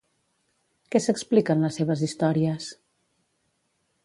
Què s'explica en les seves històries?